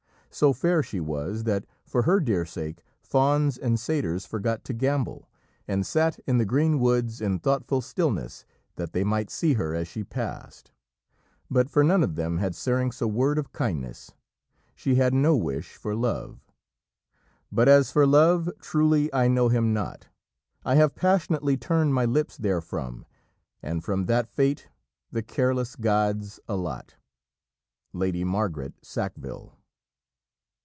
So fair she was that for her dear sake fauns and satyrs forgot to gambol, and sat in the green woods in thoughtful stillness, that they might see her as she passed. But for none of them had Syrinx a word of kindness. She had no wish for love. "But as for Love, truly I know him not, I have passionately turned my lips therefrom, And from that fate the careless gods allot." Lady Margaret Sackville.